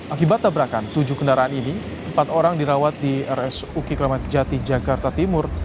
akibat tabrakan tujuh kendaraan ini empat orang dirawat di rs uki klamat kejati jakarta timur